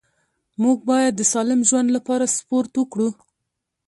موږ باید د سالم ژوند لپاره سپورت وکړو